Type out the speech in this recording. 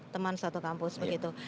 teman satu kampus begitu